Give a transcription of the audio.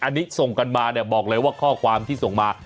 อันนี้ส่งกันมาเนี่ยบอกเลยว่าข้อความที่ส่งมา